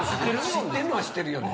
知ってるのは知ってるよね。